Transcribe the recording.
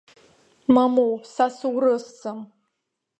Мамоу, сара соурысӡам!